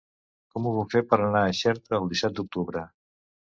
Com ho puc fer per anar a Xerta el disset d'octubre?